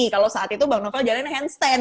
kalau saat itu bang novel jalan handstand